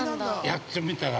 ◆やってみたら？